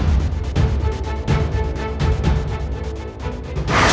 akhi tomat aku telah mau nyampang